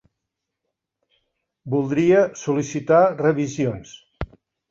Voldria sol·licitar revisions.